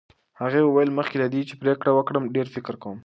هغې وویل، مخکې له دې چې پرېکړه وکړم ډېر فکر کوم.